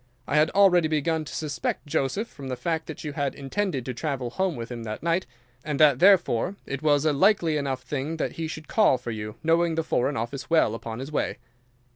I had already begun to suspect Joseph, from the fact that you had intended to travel home with him that night, and that therefore it was a likely enough thing that he should call for you, knowing the Foreign Office well, upon his way.